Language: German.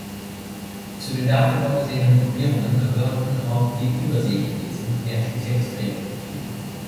Zu den dafür vorgesehenen Gruppierungen gehörten auch die Überseechinesen, die ein spezielles Training durchliefen.